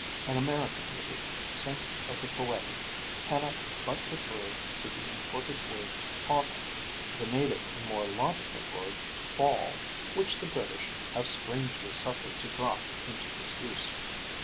An American with a sense of the poetic cannot but prefer to the imported word autumn the native and more logical word fall, which the British have strangely suffered to drop into disuse.